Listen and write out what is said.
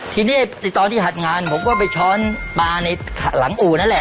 ทีนี้ตอนที่หัดงานผมก็ไปช้อนปลาในหลังอู่นั่นแหละ